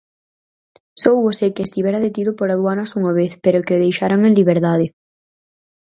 Sóubose que estivera detido por Aduanas unha vez pero que o deixaran en liberdade.